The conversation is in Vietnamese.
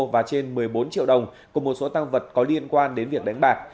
và trên một mươi bốn triệu đồng cùng một số tăng vật có liên quan đến việc đánh bạc